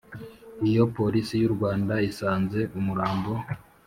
Iyo Polisi y u Rwanda isanze umurambo